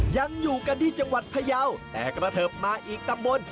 ยังอยู่กันที่จังหวัดพยาวแต่กระเทิบมาอีกตำบล